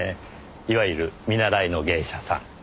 いわゆる見習いの芸者さん。